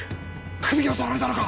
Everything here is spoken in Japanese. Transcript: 首を取られたのか！？